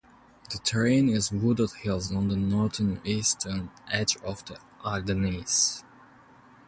The terrain is wooded hills on the northeastern edge of the Ardennes.